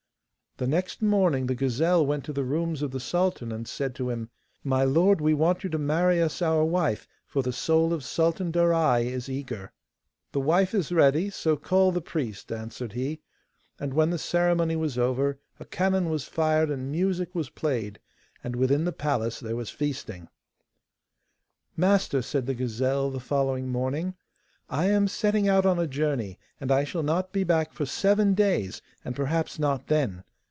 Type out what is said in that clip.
The next morning the gazelle went to the rooms of the sultan, and said to him: 'My lord, we want you to marry us our wife, for the soul of Sultan Darai is eager.' 'The wife is ready, so call the priest,' answered he, and when the ceremony was over a cannon was fired and music was played, and within the palace there was feasting. 'Master,' said the gazelle the following morning, 'I am setting out on a journey, and I shall not be back for seven days, and perhaps not then.